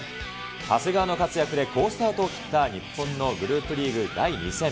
長谷川の活躍で好スタートを切った日本のグループリーグ第２戦。